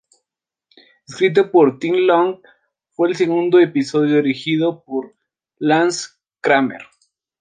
Escrito por Tim Long, fue el segundo episodio dirigido por Lance Kramer.